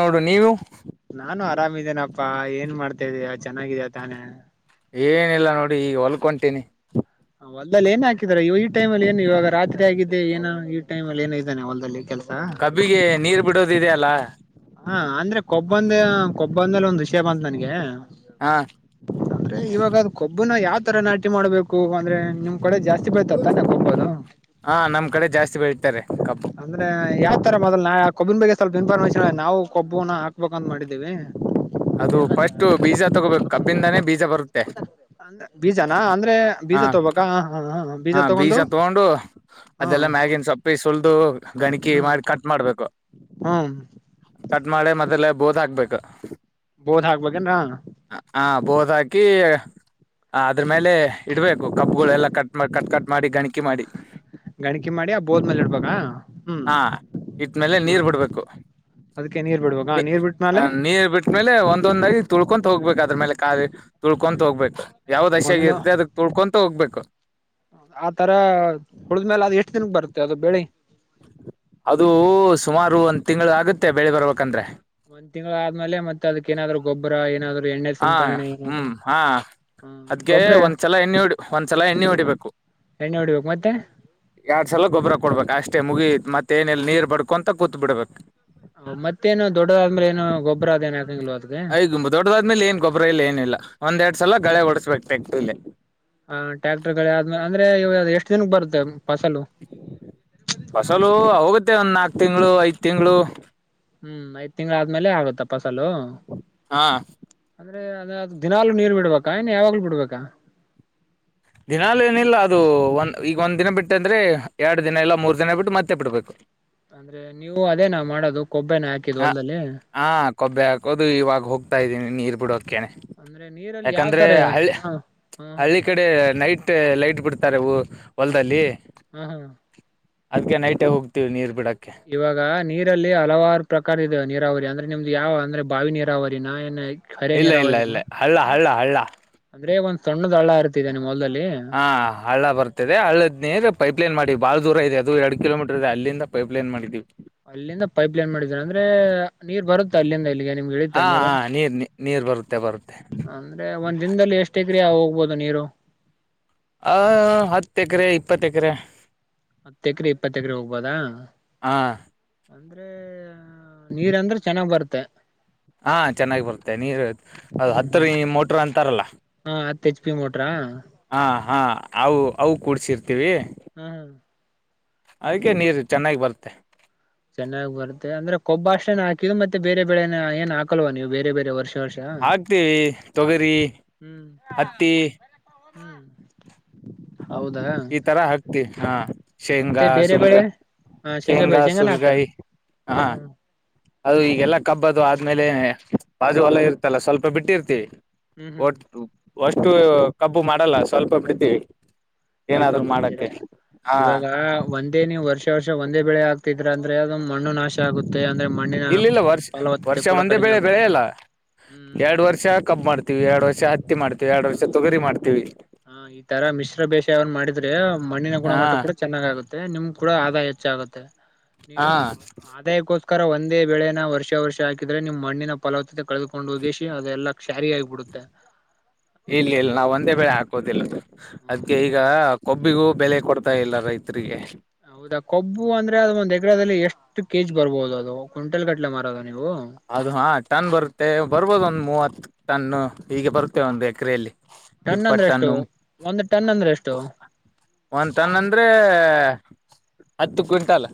ಹೌದು ನೀವು ನಾನು ಆರಾಮಿದೇನಪ್ಪಾ ಏನ್ ಮಾಡ್ತಾ ಇದೀಯ ಚೆನ್ನಾಗಿದ್ಯಾ ತಾನೇ. ಏನಿಲ್ಲ ನೋಡಿ ಈಗ ಹೊಲ್ಕ ಹೊಂಟೀನಿ. ಹೊಲ್ದದಲ್ಲಿ ಏನ್ ಹಾಕಿದ್ದಾರೆ ಈ ಟೈಮಲ್ಲಿ ಏನು ಇವಾಗ ರಾತ್ರಿ ಆಗಿದ್ದ ಏನೋ ಈ ಟೈಮ ಅಲ್ಲಿ ಏನು ಇದ್ದಾನ ಹೊಲ್ದಲ್ಲಿ ಕೆಲ ಕಬ್ಬಿಗೆ ನೀರ ಬಿಡೋದಿದೆ ಅಲ್ಲಾ. ಹಾ ಅಂದ್ರೆ ಕೊಬ್ಬಂದ ಕೊಬ್ಬಂದೇಲೆ ಒಂದ ವಿಷ ಬಂತ ನನಗೆ ಹಾ ಅಂದ್ರೆ ಇವಾಗ ಅದ ಕೊಬ್ಬನ ಯಾವ್ ತರ ನಾಟಿ ಮಾಡ್ಬೇಕು ಅಂದ್ರೆ ನಿಮ ಕಡೆ ಜಾಸ್ತಿ ಬಳತ್ತರೇ ತಾನೇ ಕಬ್ಬ ಅದು. ಹಾ ನಮ್ ಕಡೆ ಜಾಸ್ತಿ ಬೆಳಿತ್ತಾರೆ ಕಬ್ಬು. ಅಂದ್ರೆ ಯಾವ ತರ ಮೊದಲ ನಾ ಆ ಕಬ್ಬಿನ ಬಗ್ಗೆ ಸ್ವಲ್ಪ ಇನ್ಫಾರ್ಮೇಶನ್ ನಾವು ಕೊಬ್ಬುನ ಹಾಕ್ಬೇಕ ಅಂತ ಮಾಡಿದ್ದೀವಿ. ಅದು ಫಸ್ಟ್ ಬೀಜ ತಗೋಬೇಕು ಕಬ್ಬಿಂದಾನೇ ಬೀಜ ಬರತ್ತೆ. ಅಂದ ಬೀಜನಾ ಅಂದ್ರೆ ಹಾ ಬೀಜ ತುಬೇಕಾ ಹಾ ಹಾ ಬೀಜ ತಗೊಂಡು ಒಂಡು ಹ್ಮ್ ಅದೆಲ್ಲಾ ಮ್ಯಾಗಿನ್ ಸೊಪ್ಪಿ ಸುಲ್ದು ಗಣಕಿ ಮಾಡಿ ಕಟ್ ಮಾಡ್ಬೇಕು. ಹ್ಮ. ಕಟ್ ಮಾಡಿ ಮೊದಲ ಬೋದ್ ಹಾಕ್ಬೇಕ. ಬೋದ್ ಹಾಕ್ಬೇಕೆನ ಹಾ ಹ ಬೋದ್ ಹಾಕಿ ಅದ್ರ ಮೇಲೆ ಇಡ್ಬೇಕು ಕಬ್ಗಳೆಲ್ಲ ಕ ಕಟ್ ಕಟ್ ಮಾಡಿ ಗಣಿಕಿ ಮಾಡಿ. ಗಣಕಿ ಮಾಡಿ ಆ ಬೊದ್ಮೇಲ ಇಡ್ಬೇಕ ಹ್ಮ್ ಹಾ ಇಟ್ಟ್ಮೇಲೆ ಹ್ಮ್. ನೀರ್ ಬಿಡ್ಬೇಕು ಅದಕ್ಕೆ ನೀರ್ ಬಿಡ್ಬೇಕಾ ನೀರ್ ಬಿಟ್ಟ್ಮೇಲ ಆಮೇಲೆ ಒಂದೊಂದಾಗಿ ತುಳ್ಕೊಂತ ಹೋಗ್ಬೇಕ ಅದ್ರ ಮೇಲೆ ಕಾಲ ತುಳ್ಕೊಂತ ಹೋಗ್ಬೇಕು ಯ್ಯಾವ್ದಸಿಯಾಗಿರ ಒಂದು ಅದ ತುಳಕೊಂತ ಹೋಗ್ಬೇಕ. ಆ ತರ ತುಳಿದ್ಮಲ ಅದು ಎಷ್ಟ ದಿನಕ್ ಬರುತ್ತ ಅದು ಬೆಳಿ. ಅದು ಸುಮಾರು ಒಂದ ತಿಂಗಳ ಆಗತ್ತೆ ಬೆಳಿ ಬರ್ಬೇಕಂದ್ರೆ ಒಂದ ತಿಂಗ್ಗಳ ಆದ್ಮೇಲೆ ಮತ್ತೆ ಅದಕ್ಕೇನಾದ್ರು ಗೊಬ್ಬರ ಏನಾದ್ರು ಎಣ್ಣೆ ಸಿಂಪಣೆ ಏ ಅದ್ಕೆ ಒಂದ್ಸಲ ಎಣ್ಣೆ ಹೊಡಿ ಒಂದ್ಸಲ ಎಣ್ಣೆ ಹೊಡಿಬೇಕು. ಎಣ್ಣೆ ಹೊಡ್ಬೇಕ ಮತ್ತೆ ಯಾಡ ಸಲ ಗೊಬ್ಬರ ಕೊಡ್ಬೇಕ ಅಷ್ಟೇ ಮುಗಿತ್ ಮತ್ತೆನಿಲ್ಲ ನೀರ್ ಬಡ್ಕೊಂತ ಕೂತ್ತ ಬಿಡ್ಬೇಕ. ಮತ್ತೇನು ದೊಡ್ಡದಾದ ಮೇಲೆ ಏನು ಗೊಬ್ಬರ ಅದೇನು ಏನು ಆಕಂಗಿಲ್ವಾ. ಐದ ದೊಡ್ಡದಾದ್ಮೇಲೆ ಏನ್ ಗೊಬ್ಬರ ಇಲ್ಲ ಏನಿಲ್ಲ ಒಂದೆರಡ ಸಲ ಗಳೆ ಹೊಡಿಸ್ಬೇಕ ಟ್ರ್ಯಾಕ್ಟರ್ಲೆ ಹ ಟ್ಯಾಕ್ಟರ್ ಗಳೆ ಆದ್ಮಲೆ ಅಂದ್ರೆ ಇವಗ ಎಷ್ಟ ದಿನಕ್ಕ ಬರುತ್ತೆ ಫಸಲು. ಫಸಲು ಹೋಗುತ್ತೆ ಒಂದ ನಾಕ್ ತಿಂಗಳು ಐದ ತಿಂಗಳು. ಹ್ಮ ಐದ ತಿಂಗ್ಗಳಾದ್ಮೇಲೆ ಆಗುತ್ತ ಫಸಲು. ಹಾ ಅಂದ್ರೆ ಅದ ದಿನಾಲು ನೀರ್ ಬಿಡ್ಬೇಕಾ ಇನ್ನು ಯಾವಾಗ್ಲು ಬಿಡ್ಬೇಕಾ. ದಿನಾಲ ಏನಿಲ್ಲ ಅದು ಒಂದ ಈಗ ಒಂದ್ ದಿನ ಬಿಟ್ಟ ಅಂದ್ರೆ ಎರಡು ದಿನ ಇಲ್ಲ ಮೂರ್ ದಿನ ಬಿಟ್ಟು ಮತ್ತೆ ಬಿಡ್ಬೇಕ. ಅಂದ್ರೆ ನೀವು ಅದೇನ ಮಾಡೋದು ಕೊಬ್ಬೆನ ಹಾಕಿದು ಹ ಹೊಲ್ದಲ್ಲಿ. ಹಾ ಕೊಬ್ಬೆ ಹಾಕೋದು ಇವಾಗ ಹೋಗ್ತಾ ಇದ್ದೀನಿ ನೀರ್ ಬಿಡೋಕ್ಕೇನೆ ಯಾಕಂದ್ರೆ ಹಳ್ಳಿ ಹ್ಮ. ಹಳ್ಳಿ ಕಡೆ ನೈಟ್ ಲೈಟ್ ಬಿಡ್ತಾರೆ ಹು ಹೊಲದಲ್ಲಿ [inaudible] ಅದ್ಕೆ ನೈಟೇ ಹೋಗ್ತಿವಿ ನೀರ್ ಬಿಡಕ್ಕೆ. ಇವಾಗ ನೀರಲ್ಲಿ ಹಲವಾರ ಪ್ರಕಾರ ಇದಾವ ನೀರಾವರಿ ಅಂದ್ರೆ ನಿಮ್ದ ಯಾವ ಅಂದ್ರೆ ಬಾವಿ ನೀರಾವರಿನ ಏನ್ ಹರೆ ಇಲ್ಲ ಇಲ್ಲ ನೀರಾವರಿನ ಇಲ್ಲ ಹಳ್ಳ ಹಳ್ಳ ಹಳ್ಳ. ಅಂದ್ರೆ ಒಂದ್ ಸಣ್ಣದ ಹಳ್ಳ ಹರೀತಿದೆ ನಿಮ್ಮ ಹೊಲ್ದಲ್ಲಿ? ಹ ಹಳ್ಳ ಬರ್ತಿದೆ ಹಳ್ಳದ್ ನೀರ್ ಪೈಪ್ಲೈನ್ ಮಾಡಿ ಬಾಳ ದೂರ ಇದೆ ಅದು ಎರಡ ಕಿಲೋಮೀಟರ್ ಇದೆ ಅಲ್ಲಿಂದ ಪೈಪ್ಲೈನ್ ಮಾಡಿದ್ದೀವಿ. ಅಲ್ಲಿಂದ ಪೈಪ್ಲೈನ್ ಮಾಡಿದ್ದೀರಾ ಅಂದ್ರ ನೀರ್ ಬರುತ್ತೆ ಅಲ್ಲಿಂದ ಇಲ್ಲಿಗೆ ನಿಮ್ಗೆ ಇಳಿತಾ ಹಾ ನೀರು ಹಾ ನೀರ್ ನೀರ್ ಬರುತ್ತೆ ಬರುತ್ತೆ. ಅಂದ್ರೆ ಒಂದ್ ದಿನದಲ್ಲಿ ಎಷ್ಟೇಕ್ರೆ ಆ ಹೋಗ್ಬೋದು ನೀರು. ಆ ಹತ್ತ ಎಕರೆ ಇಪ್ಪತ್ತ ಎಕರೆ. ಹತ್ತ ಎಕರೆ ಇಪ್ಪತ್ತ ಎಕರೆ ಹೋಗ್ಬೋದಾ? ಹಾ ಎ ಯ ನೀರ್ಂದ್ರೆ ಚೆನ್ನಾಗ್ ಬರುತ್ತೆ. ಹಾ ಚೆನ್ನಾಗಿ ಬರುತ್ತೆ ನೀರು ಅದು ಹ್ಮ್ ಹ್ಮ್ ಹತ್ತರ ಮೋಟ್ರ ಅಂತಾರಲ್ಲ ಹಾ ಹತ್ ಹೆಚ್ ಪಿ ಮೋಟರಾ? ಹಾ ಹಾ ಅವು ಅವು ಕೂಡ್ಸಿರ್ತೀವಿ. ಹ್ಮ್ ಅದಕ್ಕೆ ನೀರು ಚೆನ್ನಾಗಿ ಬರುತ್ತೆ. ಚೆನ್ನಾಗ್ ಬರುತ್ತೆ ಅಂದ್ರೆ ಕೊಬ್ಬ ಅಷ್ಟೇನ ಹಾಕಿದು ಮತ್ತೆ ಬೇರೆ ಬೆಳೆ ಏನ್ ಏನ ಹಾಕಲ್ವ ನೀವು ಬೇರೆ ಬೇರೆ ವರ್ಷ ವರ್ಷ ಹಾಕ್ತೀವಿ ತೊಗರಿ ಹ್ಮ್ ಹತ್ತಿ. [inaudible] ಹೌದಾ ಈ ತರ ಹಾಕ್ತಿವ ಹಾ. ಮತ್ತೆ ಶೇಂಗಾ ಬೇರೆ ಸುಲ್ಗ ಬೆಳೆ ಹಾ ಶೇಂಗಾ ಬೆಳೆ ಶೇಂಗಾನ ಹಾಕ್ತಾರ ಸುಲ್ಗಾಯಿ ಹಾ ಹ್ಮ್ ಹ್ಮ್ ಅದು ಹ್ಮ್ ಈಗೆಲ್ಲ ಕಬ್ಬದು ಆದ್ಮೇಲೆ ಬಾಜು ಹೊಲಾ ಇರ್ತಲ್ಲ ಸ್ವಲ್ಪ ಬಿಟ್ಟಿರ್ತಿವಿ ಹ್ಮ್ ಹ್ಮ್ ಹ್ಮ್ ಒಟ್ಟು ಒಷ್ಟು ಕಬ್ಬು ಮಾಡಲ್ಲ ಸ್ವಲ್ಪ ಬಿಡ್ತೀವಿ. ಸ್ವಲ್ಪ ಏನಾದ್ರು ಬಿಡ್ತೀರ ಮಾಡಕ್ಕೆ ಹಾ ಇವಾಗ ಒಂದೇ ನೀವು ವರ್ಷ ವರ್ಷ ಒಂದೇ ಬೆಳೆ ಆಗ್ತಿದ್ರ ಅಂದ್ರೆ ಅದ್ ಮಣ್ಣು ನಾಶ ನಾಶ ಆಗುತ್ತೆ ಅಂದ್ರೆ ಮಣ್ಣಿನ ಇಲ್ಲಿಲ್ಲ ವರ್ಷ ಫಲವತ್ತತೆ ವರ್ಷ ಕೂಡ ಒಂದೇ ಕಡಿಮೆ ಬೆಳೆ ಆಗುತ್ತೆ. ಬೆಳೆಯಲ್ಲ ಹ್ಮ್ ಎರಡ್ ವರ್ಷ ಕಬ್ ಮಾಡ್ತೀವಿ ಎರಡ್ ವರ್ಷ ಹತ್ತಿ ಮಾಡ್ತೀವಿ ಎರಡ್ ಹಾ ವರ್ಷ ತೊಗರಿ ಮಾಡ್ತೀವಿ. ಹಾ ಹಿಂಗ್ ತರ ಮಿಶ್ರ ಬೇಶಾವನ್ ಮಾಡಿದ್ರೆ ಮಣ್ಣಿನ ಹಾ ಗುಣಮಟ್ಟ ಕೂಡ ಚೆನ್ನಾಗ ಆಗುತ್ತೆ ನಿಮ್ ಕೂಡ ಆದಾಯ ಹೆಚ್ಚಾಗುತ್ತೆ. [unintelligible] ನೀವು ಆದಾಯಕ್ಕೋಸ್ಕರ ರ ಒಂದೇ ಬೆಳೆನ ವರ್ಷ ವರ್ಷ ಹಾಕಿದ್ರ ನೀವು ಮಣ್ಣಿನ್ ಫಲವತ್ತತೆ ಕಳೆಕೊಂಡು ಹೋಗಿಶಿ ಅದೆಲ್ಲ ಕ್ಯಾರಿ ಆ ಬಿಡುತ್ತೆ. ಇಲ್ಲ ಇಲ್ಲ ನಾವ ಒಂದೇ ಬೆಳೆ ಹಾಕೋದಿಲ್ಲ ಹ್ಮ್ ಅದ್ಕೆ ಈಗ ಕೊಬ್ಬಿಗೂ ಬೆಲೆ ಕೊಡ್ತಾ ಇಲ್ಲ ರೈತರಿಗೆ. ಹೌದಾ ಕೊಬ್ಬು ಅಂದ್ರೆ ಅದು ಒಂದು ಎಕರದಲ್ಲಿ ಎಷ್ಟು ಷ್ಟೂ ಕೆಜಿ ಬರ್ಬಹುದು ಅದು ಕ್ವಿಂಟಲ್ ಗಟ್ಲೆ ಮಾರೋದ ನೀವು? ಅದು ಹಾ ಟನ್ ಬರುತ್ತೆ ಬರ್ಬೋದು ಒಂದ್ ಮೂವತ್ತು ಟನ್ನು ಈಗೆ ಬರುತ್ತೆ ಒಂದ್ ಎಕರೆಯಲ್ಲಿ. ಟನ್ ಇಪ್ಪತ್ ಅಂದ್ರೆ ಎಷ್ಟು ಟನ್ನು ಒಂದು ಟನ್ ಅಂದ್ರೆ ಎಷ್ಟು? ಒಂದು ಟನ್ ಅಂದ್ರೆ ಹತ್ತು ಕ್ವಿಂಟಲ್.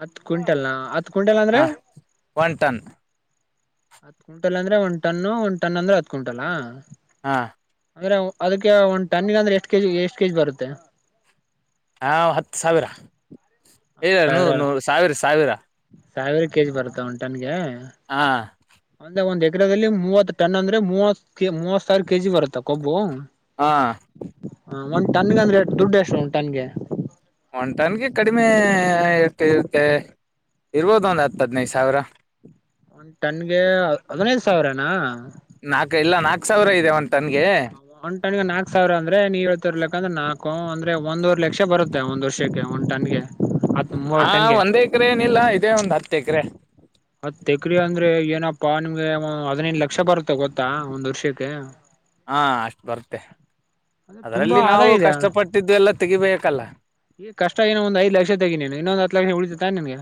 ಹತ್ ಕ್ವಿಂಟಲ್ ಹತ್ ಕ್ವಿಂಟಲ್ ಅಂದ್ರೆ? ಹ ಒನ್ ಟನ್ ಹತ್ ಕ್ವಿಂಟಲ್ ಅಂದ್ರೆ ಒಂದ್ ಟನ್ನು ಒಂದ್ ಟನ್ ಅಂದ್ರೆ ಹತ್ ಕ್ವಿಂಟಲ್? ಹಾ ಅಂದ್ರೆ ಅದಕ್ಕೆ ಒಂದು ಟನ್ಗ ಅಂದ್ರೆ ಎಷ್ಟ್ ಕೆಜಿ ಎಷ್ಟ್ ಕೆಜಿ ಬರುತ್ತೆ? ಹಾ ಹತ್ತು ಸಾವಿರ ಹತ್ ಇಲ್ಲ ನೂ ಸಾವಿರ ನೂ ಸಾವಿರ ಸಾವಿರ. ಸಾವಿರ ಕೆಜಿ ಬರುತ್ತ ಒನಟನ್ಗೆ. ಹಾ, ಅಂದ್ರೆ ಒಂದಎಕರೆದಲ್ಲಿ ಮೂವತ್ತು ಟನ್ ಅಂದ್ರೆ ಮೂವತ್, ಮೂವತ್ ಸಾವಿರ ಕೆಜಿ ಬರುತ್ತೆ. ಕೊಬ್ಬು ಹಾ ಒಂದ್ ಟನ್ಗೆ ಅಂದ್ರೆ ಎಷ್ಟ ದುಡ್ಡು ಎಷ್ಟು ಒಂದ ಟನ್ಗೆ. ಒಂದ ಟನ್ಗೆ ಕಡಿಮೆ ಇರುತ್ತೆ. ಇರ್ಬೋದು ಒಂದು ಹತ್ತು ಹದಿನೈದು ಸಾವಿರ. ಒಂದು ಟನ್ಗೆ ಹದ್ನೈದು ಸಾವಿರನಾ ನಾಕು ಇಲ್ಲ ನಾಕ್ ಸಾವಿರ ಇದೆ ಒಂದಟನ್ಗೆ ಒಂದಟನ್ಗೆ ನಾಕ್ ಸಾವಿರ ಅಂದ್ರೆ ನೀವ ಹೇಳ್ತಿರ್ ಲೆಕ್ಕ, ಅಂದ್ರೆ ನಾಕು ಅಂದ್ರೆ ಒಂದುವರೆ ಲಕ್ಷ ಬರುತ್ತೆ. ಒಂದ್ ವರ್ಷಕ್ಕೆ ಒಂದ್ ಟನ್ಗೆ. ಹತ್ ಹಾ, ಮೂವತ್ ಟನ್ಗೆ ಒಂದ್ ಎಕರೆ ಏನಿಲ್ಲ ಇದೇ ಒಂದ್ ಹತ್ತು ಎಕರೆ. ಹತ್ ಎಕ್ರೆ ಅಂದ್ರೆ ಏನಪ್ಪಾ ನಿಮ್ಗೆ ಹದಿನೈದು ಲಕ್ಷ ಬರುತ್ತೆ ಗೊತ್ತಾ ಒಂದ್ ವರ್ಷಕ್ಕೆ. ಹಾ, ಅಷ್ಟು ಬರ್ತ್ತೆ ಅ ತುಂಬಾ ಅದರಲ್ಲಿ ನಾವು ಆದಾಯ ಇದೆ ಕಷ್ಟಪಟ್ಟಿದ್ದು ಎಲ್ಲ ತೆಗಿಬೇಕಲ್ಲಾ. ಈ ಕಷ್ಟ ಏನೋ ಒಂದ ಐದು ಲಕ್ಷ ತೆಗಿ ನೀನು ಇನ್ನೊಂದು ಹತ್ತು ಲಕ್ಷ ಉಳಿತಾನೆ ನಿನ್ಗೆ.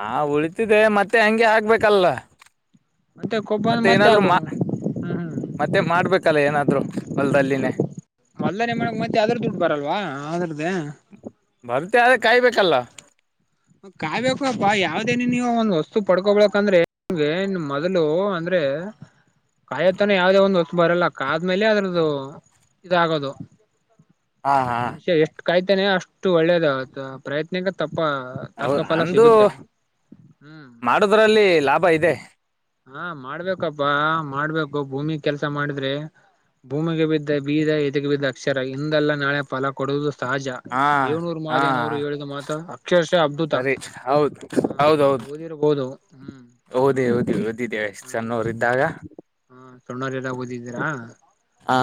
ಹಾ ಉಳಿತಿದೆೆ ಮತ್ತೆ ಹಂಗೆ ಆಗ್ಬೇಕಲ್ಲ. ಮತ್ತೆ ಕೊಬ್ಬ ಮತ್ತೆ ಏನಾದ್ರು ಹಾಕು ಹ್ಮ್ ಹ್ಮ್ ಮತ್ತೆ ಮಾಡ್ಬೇಕಲ್ಲ ಏನಾದ್ರು ಹೊಲ್ದಲ್ಲಿನೇ. ಮೊದನೆೇ ಮಾಡಕ್ ಮತ್ತೆ ಅದ್ರದ ದುಡ್ಡು ಬರಲ್ವ ಅದ್ರದ್ದೇ. ಬರ್ತೆ ಆದ್ರೆ ಕಾಯ್ಬೇಕಲ್ಲಾ ಕಾಯಬೇಕಪ್ಪಾ ಯಾವ್ದೇನ ನೀವು ಒಂದ್ ವಸ್ತು ಪಡ್ಕೊಬಕ್ಂದ್ರೆನೆಮೊದಲು ಅಂದ್ರೆ ಕಾಯತನ ಯಾವುದೇ ಒಂದು ವಸ್ತು ಬರಲ್ಲ. ಕಾದ್ಮೇಲೆ ಅದ್ರದ್ದು- ಇದಾಗದು. ಹಾ ಹಾ ಮನುಷ್ಯ ಎಷ್ಟು ಕಾಯ್ತಾನೆ ಅಷ್ಟು ಒಳ್ಳೇದ ಪ್ರಯತ್ನಕ ತಪ್ಪಾ ತಕ್ಕ ಹೌದು ಫಲ ಸಿಗುತ್ತೆ. ಹ್ಮ್ [unintelligible] ್ರಲ್ಲಿ ಲಾಭ ಇದೆ ಹಾ, ಮಾಡ್ಬೇಕಪ್ಪಾ ಮಾಡ್ಬೇಕು ಭೂಮಿ ಕೆಲ್ಸ ಮಾಡಿದ್ರೆ 'ಭೂಮಿಗೆ ಬಿದ್ದ ಬೀಜ ಎದೆಗೆ ಬಿದ್ದ ಅಕ್ಷರ' ಇಂದಲ್ಲಾ ನಾಳೆ ಫಲ ಕೊಡುವುದು ಸಹಜ. ಹಾ ದೇವ್ನೂರು ಹಾ ಮಾಹದೇವನವ್ರು ಹೇಳಿದ ಮಾತ ಅಕ್ಷರಶಅದ್ದುತ ಸರಿ ಹೌದು ಹಾ ನೀವು ಓದಿರಬಹುದು. ಹ್ಮ್, ಹೌದೇ ಹೌದ ಓದಿದ್ದೇ ಹಾ ಸಣ್ಣೋರು ಇದ್ದಾಗ. ಹಾ ಸಣ್ಣವರೆಲ್ಲ ಓದಿದ್ದೀರಾ ಹಾ,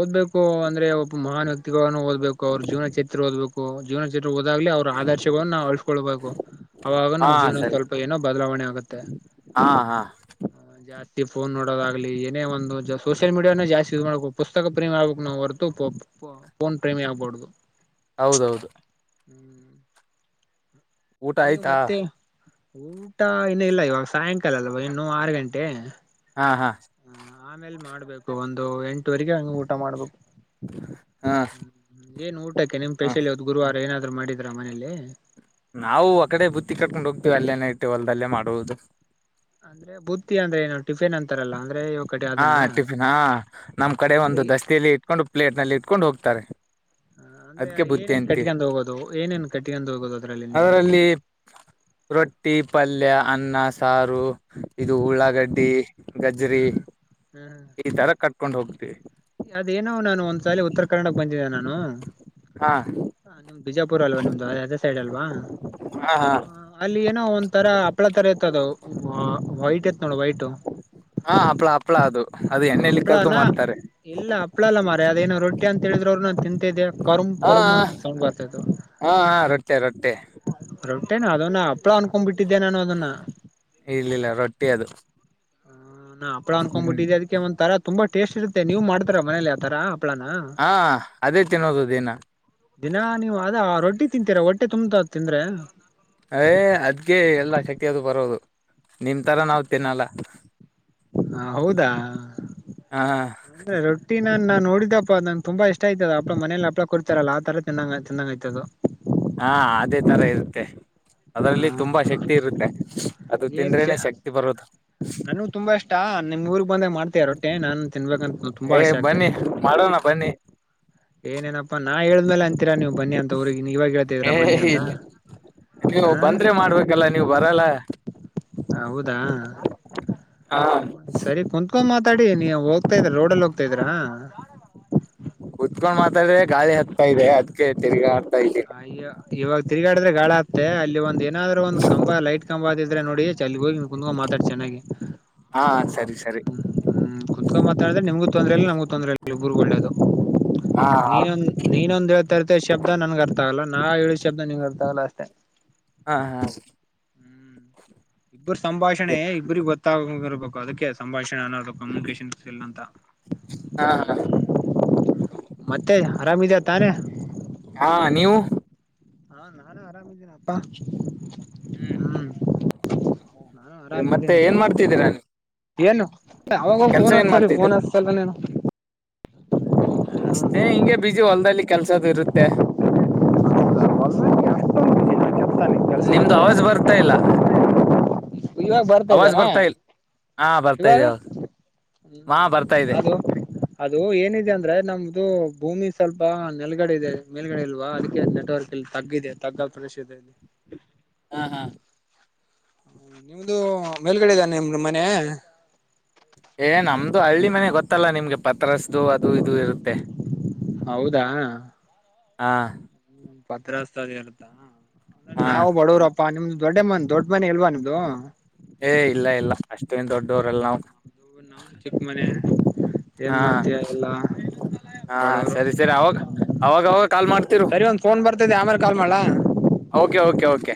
ಓದ್ಬೇಕು ಅಂದ್ರೆ ಒಬ್ಬ ಮಹಾನವ್ಯಕ್ತಿಗಳಗಳನ್ನ ಓದಬೇಕು ಅವ್ರ ಜೀವನ ಚರಿತ್ರೆ ಓದ್ಬೇಕು. ಜೀವನಚರಿತ್ರೆ ಓದಾಗ್ಲೆ ಅವ್ರ ಆದರ್ಶಗಳನ್ನು ನಾವು ಅರಿತುಕೊಳ್ಬೇಕು. ಅವಾಗ ಹಾ ನಮ್ ಜೀವನ ಸರಿ ಸ್ವಲ್ಪ ಏನೋ ಬದಲಾವಣೆ ಆಗತ್ತೆ. ಹಾ, ಹಾ ಜಾಸ್ತಿ ಫೋನ್ ನೋಗದಾಗ್ಲಿ ಏನ ಒಂದು ಸೋಶಿಯಲ್ ಮೀಡಿಯಾನೆ ಜಾಸ್ತಿ ಯೂಸ್ ಮಾಡಕೋ ಪಸ್ತಕ ಪ್ರೇಮಿ ಆಗಬೇಕು ಹೊರತು ಇ ಫೋನ್ ಪ್ರೇಮಿ ಆಗಬಾಡದು. ಹೌದೌದು, ಹ್ಮ್ [inaudible] ಊಟ ನೀವು ಆಯ್ತಾ ಮತ್ತೆ ಊಟ ಇನ್ನೂ ಇಲ್ಲ ಇವಾಗ ಸಾಯಂಕಾಲ ಅಲ್ವಾ ಇನ್ನೂ ಆರು ಗಂಟೆ. ಹಾ, ಹಾ ಹ ಆಮೇಲ್ ಮಾಡ್ಬೇಕು ಒಂದು ಎಂಟುವರೆಗೆ ಹಂಗ ಊಟ ಮಾಡ್ಬೇಕು. ಹಾ ಹ್ಮ್ ಏನ್ ಊಟಕ್ಕೆ ನಿಮ್ ಹಾ ಸ್ಪೆಷಲ್ ಇವತ್ತ ಗುರುವಾರ ಏನಾದ್ರು ಮಾಡಿದ್ರ ಮನೇಲಿ. ನಾವು ಆ ಕಡೆ ಬುತ್ತಿ ಕಟ್ಕೊಂಡ್ ಹೋಗ್ತೀವಿ. ಅಲ್ಲೇನೇ ನೈಟ್ ಹೊಲ್ದಲ್ಲೇ ಮಾಡುವುದು. ಅಂದ್ರೆ ಬುತ್ತಿ ಅಂದ್ರೆ ಏನು ಟಿಪಿನ್ ಅಂತಾರಲ್ಲಾ ಅಂದ್ರೆ ಇವ ಕಡೆ ಹಾ ಅದನಾ ಟಿಫಿನ್ ಹಾ ನಮ್ ಕಡೆ ಒಂದು ದಸ್ತೆಯಲ್ಲಿ ಇಟ್ಕೊಂಡು ಪ್ಲೇಟ್ ನಲ್ಲಿ ಇಟ್ಕೊಂಡು ಹೋಗ್ತಾರೆ. ಹ ಅಂದ್ರೆ ಅದಕ್ಕೆ ಬುತ್ತಿ ಏನೇನ್ ಅಂತೀವಿ ಕಟ್ಕೊಂಡು ಹೋಗೋದು. ಏನೇನ್ ಕಟ್ಕೊಂಡ ಹೋಗೋದು ಅದ್ರಲ್ಲಿ. ನೀವು ಅದರಲ್ಲಿ ರೊಟ್ಟಿ ಪಲ್ಯ ಅನ್ನ ಸಾರು ಇದು ಹ್ಮ್ ಉಳ್ಳಾಗಡ್ಡಿ ಗಜರಿ ಹ್ಮ್ ಈ ತರ ಕಟ್ಕೊಂಡ್ ಹೋಗ್ತೀವಿ. ಅದೇನಾವ ನಾನು ಒಂದ್ ಸಾಲ ಉತ್ತರ ಕರ್ನಾಟಕ್ ಬಂದಿದ್ದೆ ನಾನು ಹಾ ನಿಮ್ದ್ ಬಿಜಾಪುರ ಅಲ್ವಾ ನಿಮ್ದು ಅದೇ ಸೈಡ್ ಅಲ್ವಾ‌‌. ಹಾ ಹಾ ಅಲ್ಲಿ ಏನೋ ಒಂದ್ರ ಹಪ್ಪಳ ತರ ಇತ್ ಅದು ವೈಟ್ ಇತ್ ನೋಡು ವೈಟ್ ಹಾ ಹಪ್ಪಳ ಹಪ್ಪಳ ಅದು ಅದು ಎಣ್ಣೆಯಲ್ಲಿ ಕರ್ದು ಹಪ್ಳಾನ ಮಾಡ್ತಾರೆ. ಇಲ್ಲ ಹಪ್ಪಳ ಮಾರೆ ಅದೇನೋ ರೊಟ್ಟಿ ಅಂತ ಹೇಳಿದ್ರೂ ಅವರು ನಾನು ತಿಂತಿದ್ದೆ ಕರುಮ್ ಹಾ ಕರುಮ್ ಹಾ ಅಂತ ಸೌಂಡ್ ಬರತ್ತೈತು. ಹಾ ಹಾ ರೊಟ್ಟೆ ರೊಟ್ಟೆ ರೊಟ್ಟೇನ ಅದನ್ನ ಹಪ್ಪಳ ಅನ್ಕೊಂಡ್ಬ ಬಿಟ್ಟಿದ್ದೆ ನಾನು ಅದನ್ನ ಇರ್ಲಿಲ್ಲ ರೊಟ್ಟಿ ಅದು. ಹ ನಾ ಹಪ್ಪಳ ಹ್ಮ್ ಅನ್ಕೊಂಡ್ಬಿಟ್ಟಿದೀ ಅದಕ್ಕೆ ಒಂದ ತರ ತುಂಬಾ ಟೇಸ್ಟ್ ಇರುತ್ತೆ ನೀವು ಮಾಡ್ತಾರ ಮನೇಲಿ ಆ ತರ ಹಪ್ಪಳಾ ಹಾ ಅದೇ ತಿನ್ನೋದು ದೇನ. ದಿನಾ ನೀವು ಅದ ರೊಟ್ಟಿ ತಿಂತೀರಾ ಹೊಟ್ಟೆ ತುಂಬ್ತಾ ತಿಂದ್ರೆ. ಏ ಅದ್ಗೆ ಎಲ್ಲಾ ಶಕ್ತಿ ಅದು ಬರೋದು ನಿಮ್ ತರ ನಾವು ತಿನ್ನಲ್ಲ. ಹಾ ಹೌದಾ ಹ ಅಂದ್ರೆ ರೊಟ್ಟಿ ನನ್ ನಾ ನಡಿದಪ್ಪ ನನ್ ತುಂಬ ಇಷ್ಟ ಆಯ್ತ್ ಅಪ್ಳ ಮನೇಲಿ ಅಪ್ಳಾ ಕೊಡ್ತಾರಲ್ಲ ಆ ತರ ತಿನ್ನಂಗ ಚಂದಂಗ ಆತ್ತದೂ ಹಾ ಅದೇ ತರ ಇರುತ್ತೆ ಅದರಲ್ಲಿ ಹಾ ತುಂಬಾ ಶಕ್ತಿ ಇರುತ್ತೆ. ಅದು ಏನ್ ಶ ತಿಂದ್ರೇನೆ ಶಕ್ತಿ ಬರೋದು ನನೂ ತುಂಬಾ ಇಷ್ಟ ನಿನ್ ಊರಗ ಬಂದಾಗ ಮಾಡ್ತಾರ ಅಷ್ಟೇ ನಾನು ತಿನ್ಬೇಕಂತ ತುಂಬಾ ಏ ಆಶೆ ಬನ್ನಿ ಆಗ್ತೇನಿ ಮಾಡೋಣ ಬನ್ನಿ ಏನೇನಪ್ಪಾ ನಾ ಹೇಳಿದ್ಮೇಲೆ ಅಂತ್ ತ್ರರಾ ನೀವು ಬನ್ನಿ ಅಂತ ಊರಿಗೆ ಇವಾಗ ಹೇಳ್ತಾ ಏ ಇದೀರಾ ಬನ್ನಿ ಅಂತ ಇಲ್ಲ ಹಾ ಹಾಗಲ್ಲ ನೀವು ಬರಲ್ಲ. ಹೌದಾ ಹ ಸರಿ ಕುಂತ್ಕೊಂಡ ಮಾತಾಡಿ ನೀವ್ ಒ ಹೋಗ್ತಾ ಇದ್ರಾ ರೋಡ್ ಅಲ್ಲಿ ಹೋಗ್ತಾ ಇದ್ರಾ. ಕುತ್ಕೊಂಡ್ ಮಾತಾಡಿದ್ರೆ ಗಾಳಿ ಹತ್ತತಾ ಇದೆ ಅದಕ ತಿರ್ಗ ಆಡತ್ತ ಇದೆ ಅಯ್ಯು ಇವಾಗ ತಿರುಗಾಡಿದ್ರೆ ಗಾಳಿ ಆಡತ್ತೆ ಅಲ್ಲಿ ಒಂದು ಏನಾದ್ರು ಒಂದು ಕಂಬ ಲೈಟ್ ದ್ರ ನೋಡಿ ಚ ಅಲ್ಲಿ ಹೋಗಿ ಕುಂದ ಮಾತಾಡಿ ಚೆನ್ನಾಗಿ. ಹಾ ಸರಿ ಸರಿ ಹ್ಮ್ ಕುತ್ಕ ಮಾತಾಡಿದ್ರೆ ನಿಮ್ಗೂ ತೊಂದ್ರೆ ನಮ್ಗೂ ತೊಂದ್ರೆ ಇಲ್ಲ ಇಬ್ಬರುಗೂ ಓಳ್ಳೇದು ಹಾ ನೀನೊಂದು ನೀನಂದ್ ಹೇಳಳ್ತ ತರತಿ ಶಬ್ದ ನನ್ಗೆ ಅರ್ಥ ಆಗಲ್ಲ ನಾ ಹೇಳಿದ ಶಬ್ದ ನಿನ್ಗ್ ಅರ್ಥ ಆಗಲ್ಲ ಅಷ್ಟೇ. ಹಾ ಹಾ ಹ್ಮ್ ಇಬ್ಬರು ಸಂಭಾಷಣೆ ಹಾ ಇಬ್ಬ್ರಿಗೆ ಗೊತ್ತಾಗ ಇರ್ಬೇಕು ಅದಕ್ಕೆ ಸಂಭಾಷಣೆ ಅನ್ನೋದು. ಕಮ್ಯುನಿಕೇಶನ್ ಸ್ಕಿಲ್ ಅಂತ ಹಾ ಹಾ ಮತ್ತೆ ಆರಾಮ್ ಇದೆಯ ತಾನೇ. ಹಾ ನೀವು ಹಾ ನಾನು ಆರಾಮಿದ್ದೇನ ಅಪ್ಪಾ ಹ್ಮ್ ನಾನು ಮತ್ತೆ ಆರಾಮಿದ್ದೇನಿ ಏನ್ ಮಾಡ್ತಿದ್ದೀರಾ ನೀವು ಏನು ಅವಾಗ ಕೆಲ್ಸ ಪೋನ್ ಏನ್ ಹಚ್ಚ್ ಮಾಡ್ತಿದ್ದೀರಾ ಫೋನ್ ಹಚ್ ತ್ತವೆನೂ ಅಷ್ಟೇ ಹಿಂಗೆ ಬಿಜಿ ಹೊಲ್ದಲ್ಲಿ ಕೆಲ್ಸದು ಇರುತ್ತೆ. ಮ ನಿಮ್ದು ಅವಾಜ್ ಬರ್ತಾ ಇಲ್ಲ. ಇವಾಗ ಅವಾಜ್ ಬರ್ತಾದ್ದೇನಾ ಬರ್ತಾ ಇಲ್ ಹಾ ಬರ್ತಾ ಇವಾಗ ಇದೆ ಅವಾಗ ಹಾ ಹ್ಮ್ ಬರ್ತಾ ಇದೆ ಅದ ಅದು ಏನಿದೆ ಅಂದ್ರೆ ನಮ್ದು ಭೂಮಿ ಸ್ವಲ್ಪ ನೆಲ್ಗಡೆ ಇದೆ ಮೇಲ್ಗಡೆ ಇಲ್ವಾ ಅದಕ್ಕೆ ನೆಟ್ವರ್ಕ್ ಇಲ್ಲಾ ತಗ್ಗಿದೆ ತಗ್ಗಲ್ಲಿ ಪ್ರದೇಶಾ ಇದೆ. ಹಾ ಹಾ ನಿಮ್ದ ಮೇಲ್ಗಡೆ ಇದೆನೆ ನಿಮ್ಮ ಮನೆ. ಏ ನಮ್ದು ಹಳ್ಳಿ ಮನೆ ಗೊತ್ತಲ್ಲ ನಿಮ್ಗೆ ಪತ್ರಸ್ದು ಅದು ಇದು ಇರುತ್ತೆ. ಹೌದಾ ಹಾ ಹಾ ಪತ್ರಸ್ತಅದ ಇರತ್ತಾ [inaudible] ಹಾ ನಾವು ಬಡವರಪ್ಪ ಪಾ ನಿಮ್ದು ದೊಡ್ಡ ಮನೆ ದೊಡ್ಡ ಮನೆ ಇಲ್ವಾ ನಿಮ್ದು ಏ ಇಲ್ಲ ಇಲ್ಲ ಅಷ್ಟೇನ ದೊಡ್ಡವ್ರಲ್ಲ ನಾವು [unintelligible] ಚಿಕ್ಕ ಮನೆ ಏನ ಹಾ ಮಾಡ್ತೀಯ ಎಲ್ಲ ಹಾ ಬಡವರು. ಸರಿ ಸರಿ ಅವಾಗ ಅವಾಗವಾಗ ಸರಿ ಕಾಲ್ ಮಾಡ್ತಿರು ಸರಿ ಒಂದ್ ಫೋನ್ ಬರ್ತದೆ ಆಮೇಲೆ ಕಾಲ್ ಮಡ್ಲಾ ಓಕೆ ಓಕೆ ಓಕೆ